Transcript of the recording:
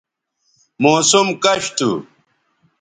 موسم کش تھو